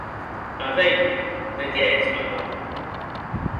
A veir, de qué ètz malaut?